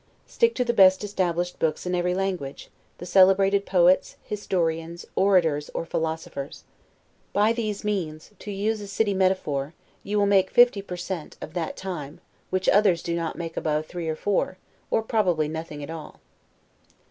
Stick to the best established books in every language; the celebrated poets, historians, orators, or philosophers. By these means (to use a city metaphor) you will make fifty PER CENT. Of that time, of which others do not make above three or four, or probably nothing at all.